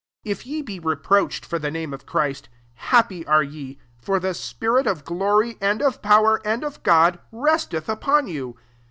14 If ye be reproached for tkc, name of Christ, happy are t/€ s for the spirit of glory, and of power, and of God/resteth upon you.